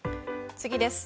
次です。